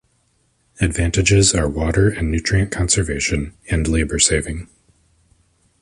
Advantages are water and nutrient conservation, and labor-saving.